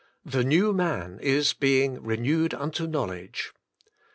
*^ The new man is being renewed unto knowledge.